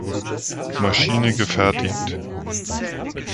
Maschine gefertigt.